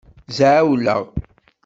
Zɛewleɣ.